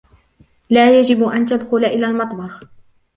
لا يجب أن تدخل إلى المطبخ.